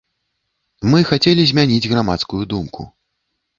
Мы хацелі змяніць грамадскую думку.